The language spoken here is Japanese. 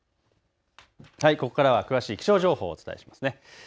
ここからは詳しい気象情報をお伝えしますね。